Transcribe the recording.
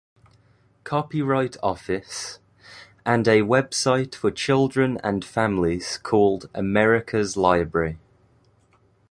Copyright Office; and a web site for children and families called America's Library.